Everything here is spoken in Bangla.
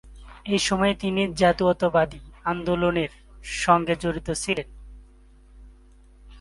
এই সময়ে তিনি জাতীয়তাবাদী আন্দোলনের সঙ্গে জড়িত ছিলেন।